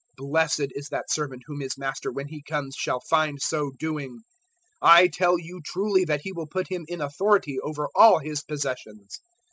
012:043 Blessed is that servant whom his Master when He comes shall find so doing. 012:044 I tell you truly that He will put him in authority over all His possessions.